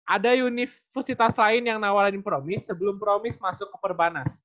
ada universitas lain yang nawarin promis sebelum promis masuk ke perbanas